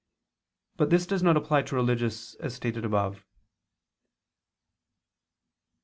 But this does not apply to religious, as stated above.